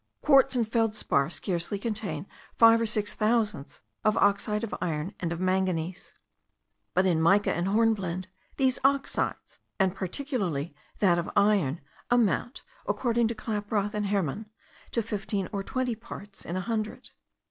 Quartz and feldspar scarcely contain five or six thousandths of oxide of iron and of manganese; but in mica and hornblende these oxides, and particularly that of iron, amount, according to Klaproth and Herrmann, to fifteen or twenty parts in a hundred.